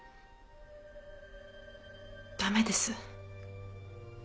駄目です。